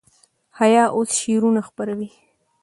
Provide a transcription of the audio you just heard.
حیا اوس شعرونه خپروي.